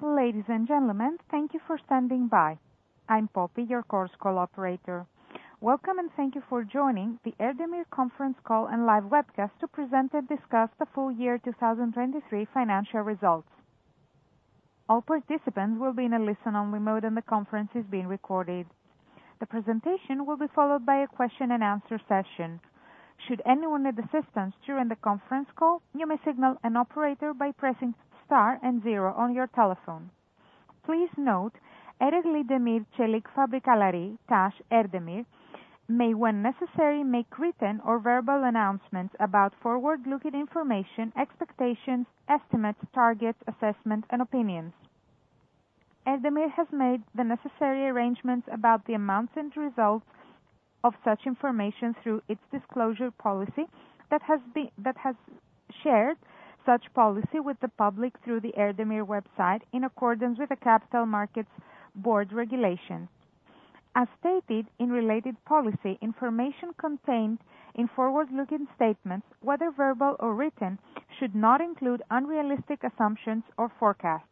Ladies and gentlemen, thank you for standing by. I'm Poppy, your Chorus Call operator. Welcome, and thank you for joining the Erdemir conference call and live webcast to present and discuss the full year 2023 financial results. All participants will be in a listen-only mode, and the conference is being recorded. The presentation will be followed by a question-and-answer session. Should anyone need assistance during the conference call, you may signal an operator by pressing star and zero on your telephone. Please note, Ereğli Demir ve Çelik Fabrikaları T.A.Ş. Erdemir may, when necessary, make written or verbal announcements about forward-looking information, expectations, estimates, targets, assessments, and opinions. Erdemir has made the necessary arrangements about the amounts and results of such information through its disclosure policy that has shared such policy with the public through the Erdemir website, in accordance with the Capital Markets Board regulation. As stated in related policy, information contained in forward-looking statements, whether verbal or written, should not include unrealistic assumptions or forecasts.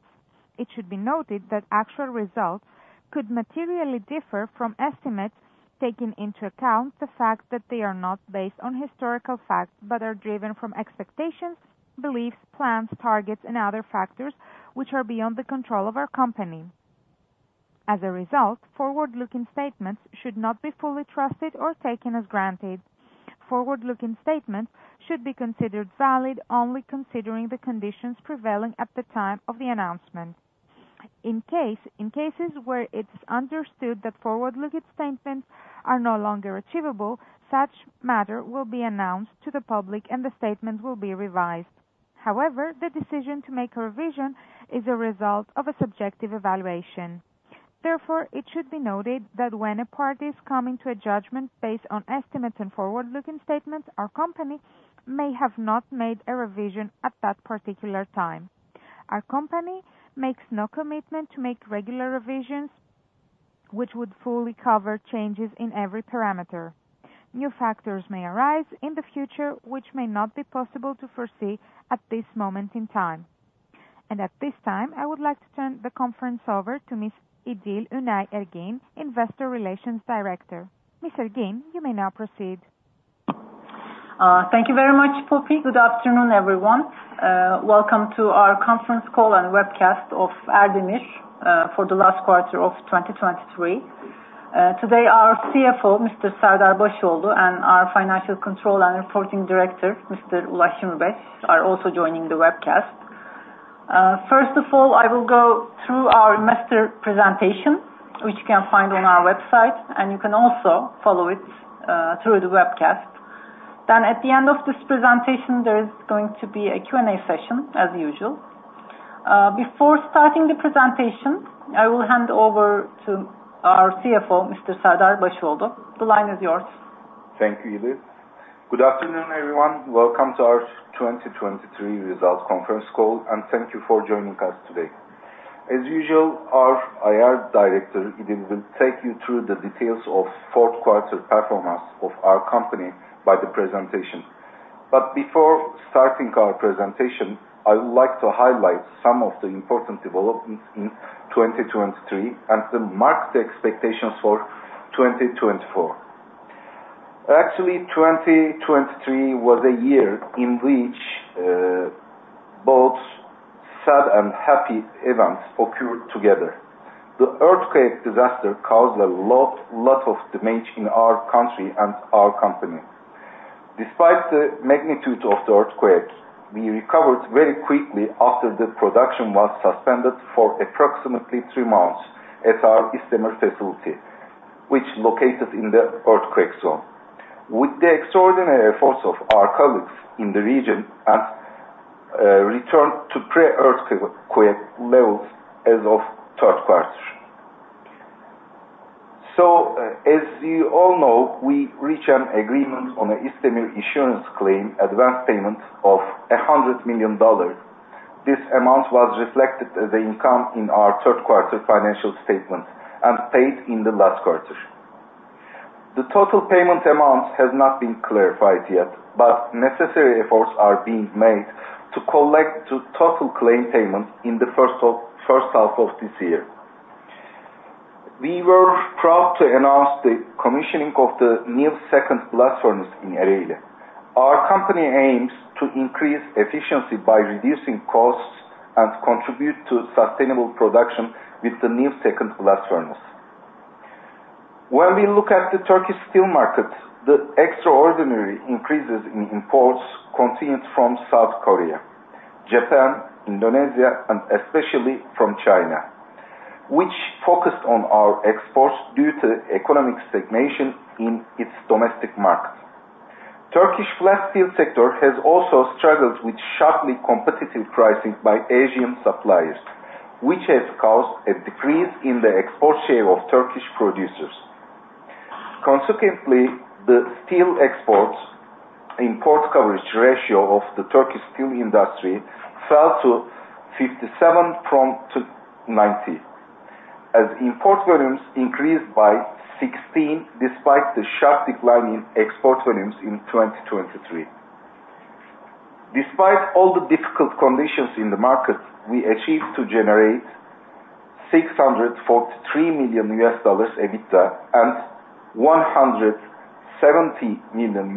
It should be noted that actual results could materially differ from estimates, taking into account the fact that they are not based on historical facts, but are driven from expectations, beliefs, plans, targets, and other factors which are beyond the control of our company. As a result, forward-looking statements should not be fully trusted or taken as granted. Forward-looking statements should be considered valid only considering the conditions prevailing at the time of the announcement. In cases where it's understood that forward-looking statements are no longer achievable, such matter will be announced to the public, and the statement will be revised. However, the decision to make a revision is a result of a subjective evaluation. Therefore, it should be noted that when a party is coming to a judgment based on estimates and forward-looking statements, our company may have not made a revision at that particular time. Our company makes no commitment to make regular revisions, which would fully cover changes in every parameter. New factors may arise in the future, which may not be possible to foresee at this moment in time. And at this time, I would like to turn the conference over to Ms. İdil Önay Ergin, Investor Relations Director. Ms. Ergin, you may now proceed. Thank you very much, Poppy. Good afternoon, everyone. Welcome to our conference call and webcast of Erdemir for the last quarter of 2023. Today, our CFO, Mr. Serdar Başoğlu; and our Financial Controller and Reporting Director, Mr. Ulaş Cimbek, are also joining the webcast. First of all, I will go through our investor presentation, which you can find on our website, and you can also follow it through the webcast. Then at the end of this presentation, there is going to be a Q&A session, as usual. Before starting the presentation, I will hand over to our CFO, Mr. Serdar Başoğlu. The line is yours. Thank you, İdil. Good afternoon, everyone. Welcome to our 2023 results conference call, and thank you for joining us today. As usual, our IR director, İdil, will take you through the details of fourth quarter performance of our company by the presentation. But before starting our presentation, I would like to highlight some of the important developments in 2023 and the market expectations for 2024. Actually, 2023 was a year in which both sad and happy events occurred together. The earthquake disaster caused a lot, lot of damage in our country and our company. Despite the magnitude of the earthquake, we recovered very quickly after the production was suspended for approximately three months at our İsdemir facility, which located in the earthquake zone. With the extraordinary efforts of our colleagues in the region and returned to pre-earthquake levels as of third quarter. So, as you all know, we reached an agreement on the İsdemir insurance claim, advanced payment of $100 million. This amount was reflected as income in our third quarter financial statement and paid in the last quarter. The total payment amount has not been clarified yet, but necessary efforts are being made to collect the total claim payment in the first half of this year. We were proud to announce the commissioning of the new second blast furnace in Ereğli. Our company aims to increase efficiency by reducing costs and contribute to sustainable production with the new second blast furnace. When we look at the Turkish steel market, the extraordinary increases in imports continued from South Korea, Japan, Indonesia, and especially from China, which focused on our exports due to economic stagnation in its domestic market. Turkish flat steel sector has also struggled with sharply competitive pricing by Asian suppliers, which has caused a decrease in the export share of Turkish producers. Consequently, the steel export-import coverage ratio of the Turkish steel industry fell to 57 from 290, as import volumes increased by 16%, despite the sharp decline in export volumes in 2023. Despite all the difficult conditions in the market, we achieved to generate $643 million EBITDA and $170 million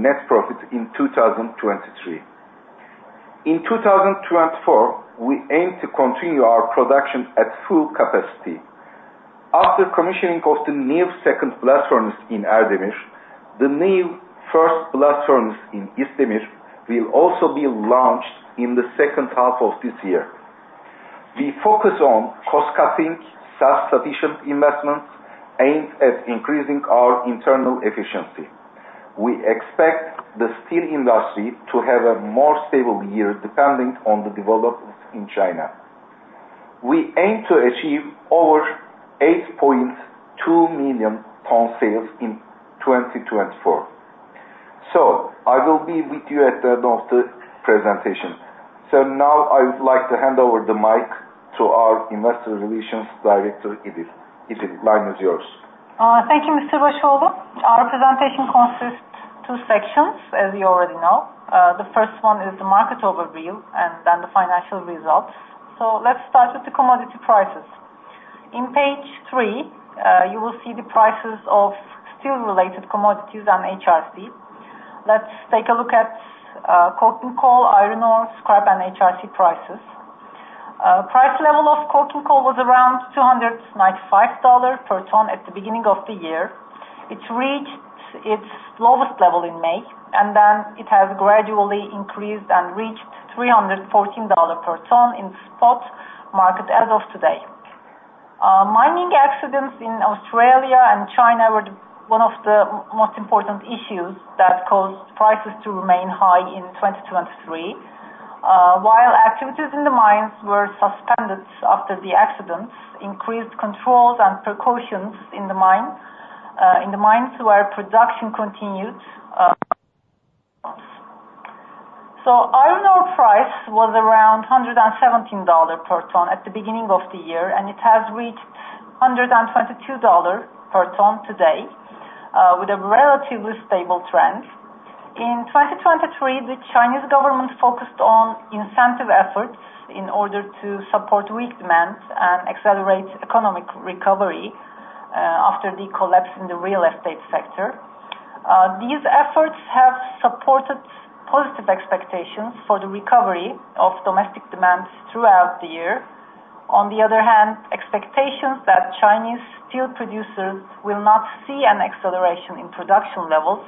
net profit in 2023. In 2024, we aim to continue our production at full capacity. After commissioning of the new second blast furnace in Erdemir, the new first blast furnace in İsdemir will also be launched in the second half of this year. We focus on cost-cutting, self-sufficient investments aimed at increasing our internal efficiency. We expect the steel industry to have a more stable year, depending on the developments in China. We aim to achieve over 8.2 million ton sales in 2024. So I will be with you at the end of the presentation. So now I would like to hand over the mic to our investor relations director, İdil. İdil, line is yours. Thank you, Mr. Başoğlu. Our presentation consists two sections, as you already know. The first one is the market overview, and then the financial results. So let's start with the commodity prices. On page three, you will see the prices of steel-related commodities and HRC. Let's take a look at coking coal, iron ore, scrap, and HRC prices. Price level of coking coal was around $295 per ton at the beginning of the year. It reached its lowest level in May, and then it has gradually increased and reached $314 per ton in spot market as of today. Mining accidents in Australia and China were one of the most important issues that caused prices to remain high in 2023. While activities in the mines were suspended after the accidents, increased controls and precautions in the mine, in the mines where production continued. So iron ore price was around $117 per ton at the beginning of the year, and it has reached $122 per ton today, with a relatively stable trend. In 2023, the Chinese government focused on incentive efforts in order to support weak demand and accelerate economic recovery, after the collapse in the real estate sector. These efforts have supported positive expectations for the recovery of domestic demands throughout the year. On the other hand, expectations that Chinese steel producers will not see an acceleration in production levels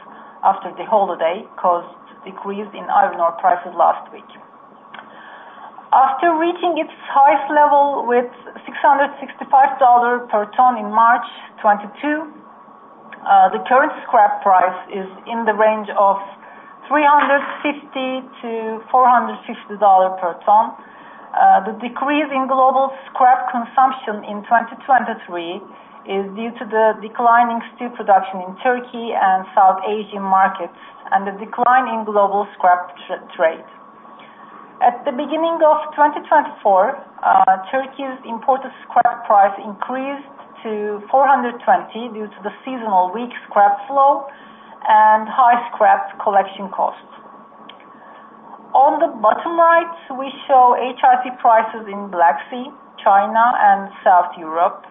after the holiday caused a decrease in iron ore prices last week. After reaching its highest level with $665 per ton in March 2022, the current scrap price is in the range of $350-$450 per ton. The decrease in global scrap consumption in 2023 is due to the declining steel production in Turkey and South Asian markets, and the decline in global scrap trade. At the beginning of 2024, Turkey's imported scrap price increased to $420 due to the seasonal weak scrap flow and high scrap collection costs. On the bottom right, we show HRC prices in Black Sea, China and South Europe.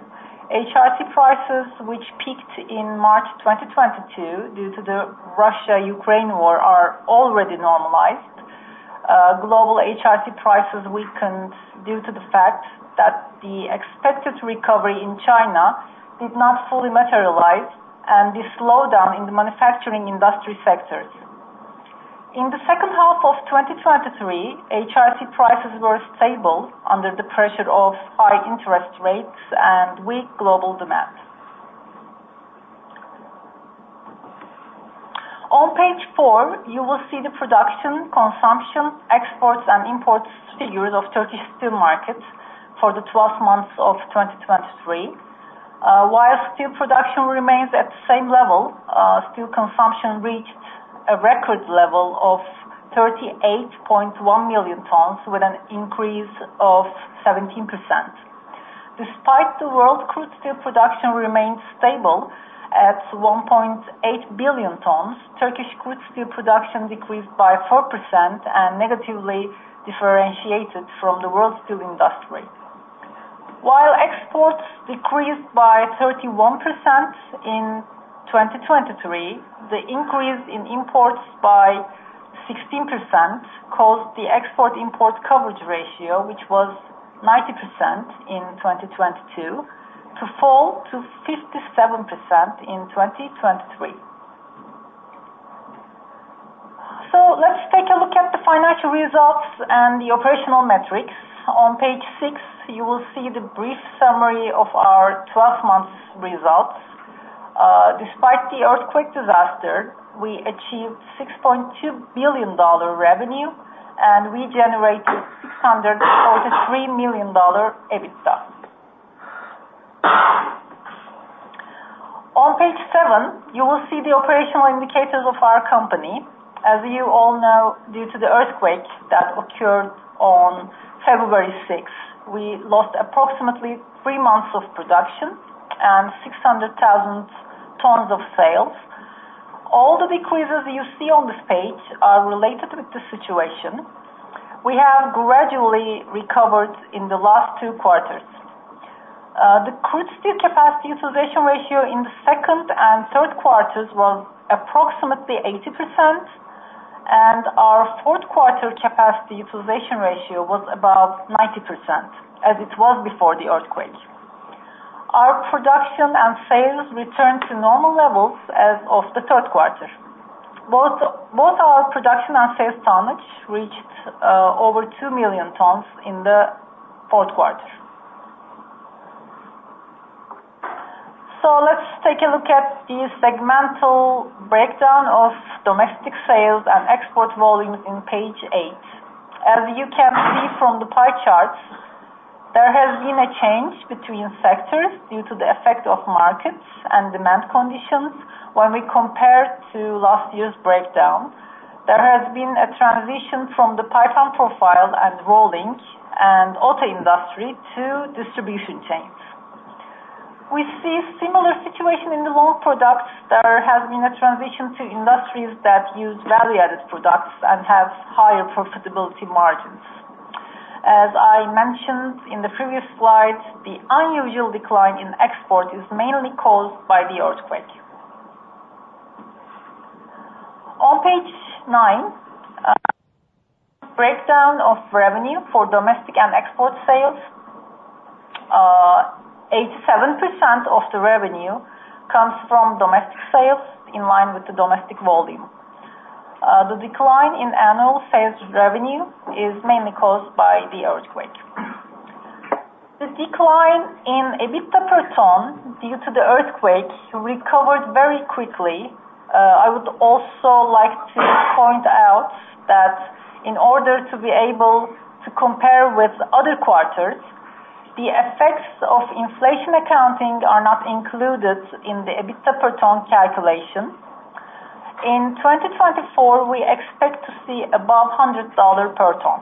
HRC prices, which peaked in March 2022 due to the Russia-Ukraine war, are already normalized. Global HRC prices weakened due to the fact that the expected recovery in China did not fully materialize, and the slowdown in the manufacturing industry sectors. In the second half of 2023, HRC prices were stable under the pressure of high interest rates and weak global demand. On page four, you will see the production, consumption, exports and imports figures of Turkish steel markets for the twelve months of 2023. While steel production remains at the same level, steel consumption reached a record level of 38.1 million tons with an increase of 17%. Despite the world crude steel production remains stable at 1.8 billion tons. Turkish crude steel production decreased by 4% and negatively differentiated from the world steel industry. While exports decreased by 31% in 2023, the increase in imports by 16% caused the export-import coverage ratio, which was 90% in 2022, to fall to 57% in 2023. So let's take a look at the financial results and the operational metrics. On page 6, you will see the brief summary of our 12 months results. Despite the earthquake disaster, we achieved $6.2 billion revenue and we generated $643 million EBITDA. On page 7, you will see the operational indicators of our company. As you all know, due to the earthquake that occurred on February sixth, we lost approximately 3 months of production and 600,000 tons of sales. All the decreases you see on this page are related with the situation. We have gradually recovered in the last 2 quarters. The crude steel capacity utilization ratio in the second and third quarters was approximately 80%, and our fourth quarter capacity utilization ratio was above 90%, as it was before the earthquake. Our production and sales returned to normal levels as of the third quarter. Both, both our production and sales tonnage reached over 2 million tons in the fourth quarter. So let's take a look at the segmental breakdown of domestic sales and export volumes in page 8. As you can see from the pie charts, there has been a change between sectors due to the effect of markets and demand conditions when we compare to last year's breakdown. There has been a transition from the pipe and profile, and rolling, and auto industry to distribution chains. We see similar situation in the long products. There has been a transition to industries that use value-added products and have higher profitability margins. As I mentioned in the previous slide, the unusual decline in export is mainly caused by the earthquake. On page nine, breakdown of revenue for domestic and export sales. 87% of the revenue comes from domestic sales in line with the domestic volume. The decline in annual sales revenue is mainly caused by the earthquake. The decline in EBITDA per ton due to the earthquake recovered very quickly. I would also like to point out that in order to be able to compare with other quarters, the effects of inflation accounting are not included in the EBITDA per ton calculation. In 2024, we expect to see above $100 per ton.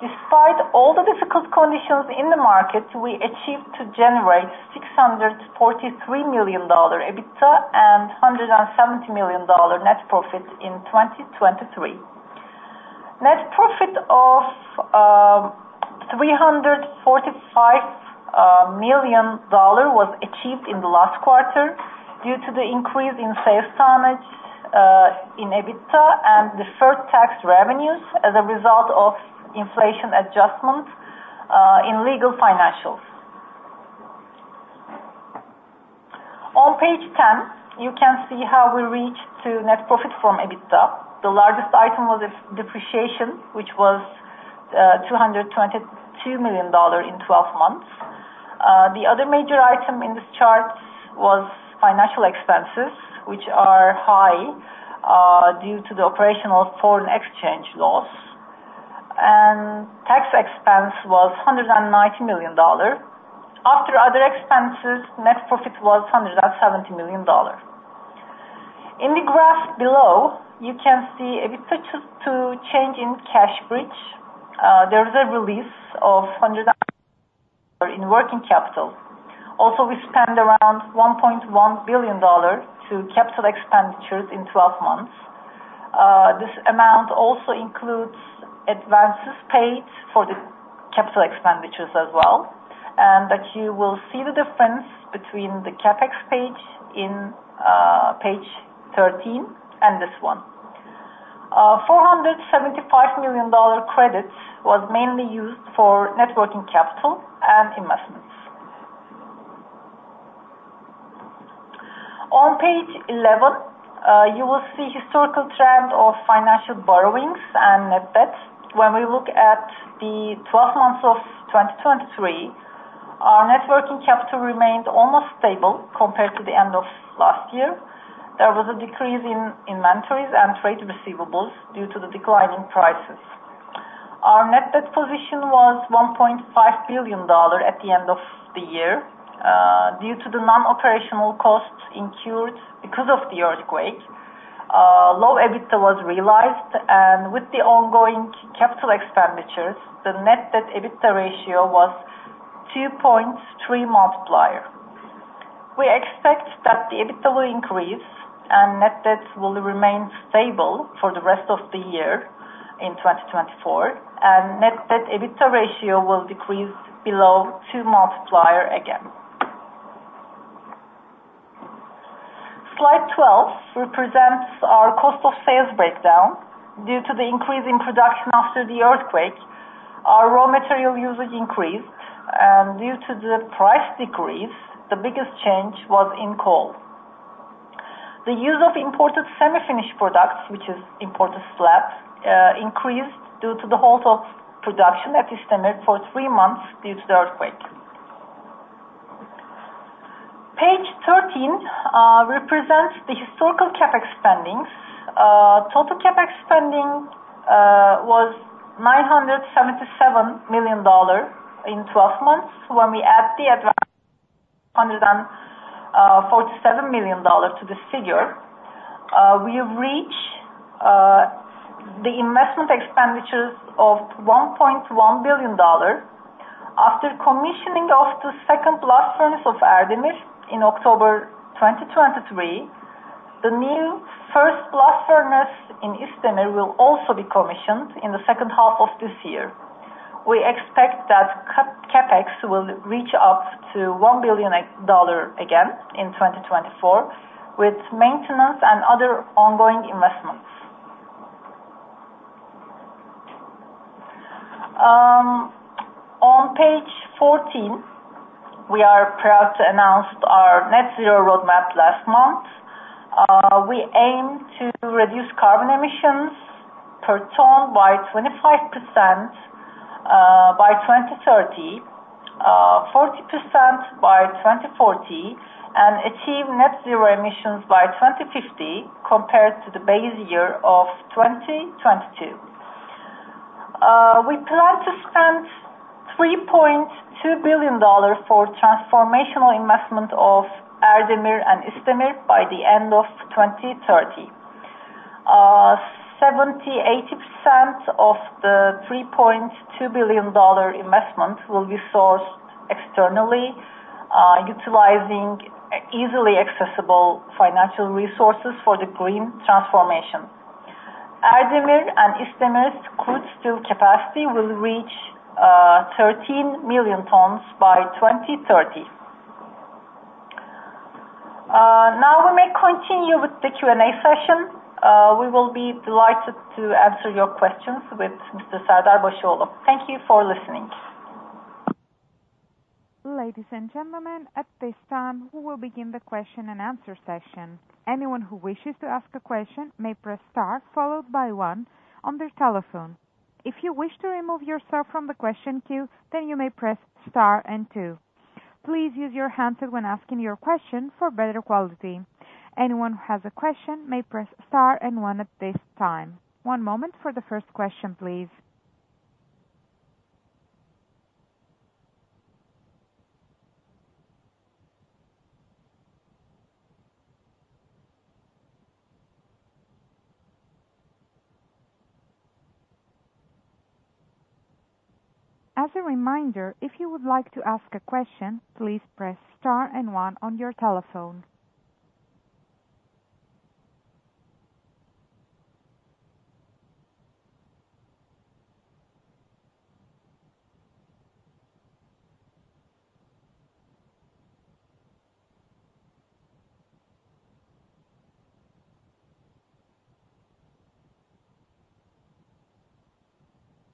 Despite all the difficult conditions in the market, we achieved to generate $643 million EBITDA and $170 million net profit in 2023. Net profit of $345 million was achieved in the last quarter due to the increase in sales tonnage in EBITDA, and deferred tax revenues as a result of inflation adjustments in legal financials. On page 10, you can see how we reached to net profit from EBITDA. The largest item was the depreciation, which was $222 million in 12 months. The other major item in this chart was financial expenses, which are high due to the operational foreign exchange loss, and tax expense was $190 million. After other expenses, net profit was $170 million. In the graph below, you can see EBITDA to change in cash bridge. There is a release of $100 million in working capital. Also, we spent around $1.1 billion to capital expenditures in 12 months. This amount also includes advances paid for the capital expenditures as well, and that you will see the difference between the CapEx page in page 13 and this one. $475 million credits was mainly used for net working capital and investments. On page 11, you will see historical trend of financial borrowings and net debt. When we look at the 12 months of 2023, our net working capital remained almost stable compared to the end of last year. There was a decrease in inventories and trade receivables due to the decline in prices. Our net debt position was $1.5 billion at the end of the year. Due to the non-operational costs incurred because of the earthquake, low EBITDA was realized, and with the ongoing capital expenditures, the net debt EBITDA ratio was 2.3x. We expect that the EBITDA will increase and net debts will remain stable for the rest of the year in 2024, and net debt EBITDA ratio will decrease below 2x again. Slide 12 represents our cost of sales breakdown. Due to the increase in production after the earthquake, our raw material usage increased, and due to the price decrease, the biggest change was in coal. The use of imported semi-finished products, which is imported slabs, increased due to the halt of production at İsdemir for 3 months due to the earthquake. Page 13 represents the historical CapEx spending. Total CapEx spending was $977 million in 12 months. When we add the advance $147 million to the figure, we reach the investment expenditures of $1.1 billion. After commissioning of the second blast furnace of Erdemir in October 2023, the new first blast furnace in İsdemir will also be commissioned in the second half of this year. We expect that CapEx will reach up to $1 billion again in 2024, with maintenance and other ongoing investments. On page 14, we are proud to announce our net zero roadmap last month. We aim to reduce carbon emissions per ton by 25% by 2030, 40% by 2040, and achieve net zero emissions by 2050, compared to the base year of 2022. We plan to spend $3.2 billion for transformational investment of Erdemir and İsdemir by the end of 2030. Seventy, eighty percent of the $3.2 billion investment will be sourced externally, utilizing easily accessible financial resources for the green transformation. Erdemir and İsdemir crude steel capacity will reach 13 million tons by 2030. Now we may continue with the Q&A session. We will be delighted to answer your questions with Mr. Serdar Başoğlu. Thank you for listening. Ladies and gentlemen, at this time, we will begin the question and answer session. Anyone who wishes to ask a question may press star, followed by one on their telephone. If you wish to remove yourself from the question queue, then you may press star and two. Please use your handset when asking your question for better quality. Anyone who has a question may press star and one at this time. One moment for the first question, please. As a reminder, if you would like to ask a question, please press star and one on your telephone.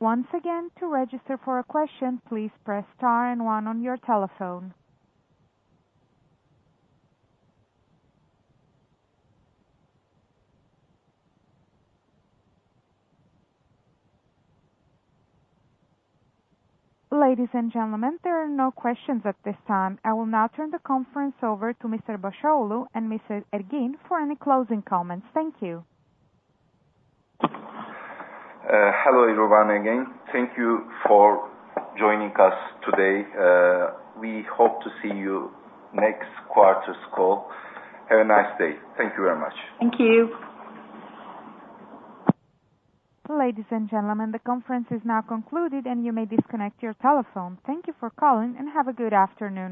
Once again, to register for a question, please press star and one on your telephone. Ladies and gentlemen, there are no questions at this time. I will now turn the conference over to Mr. Başoğlu and Ms. Ergin for any closing comments. Thank you. Hello, everyone, again. Thank you for joining us today. We hope to see you next quarter's call. Have a nice day. Thank you very much. Thank you. Ladies and gentlemen, the conference is now concluded, and you may disconnect your telephone. Thank you for calling, and have a good afternoon.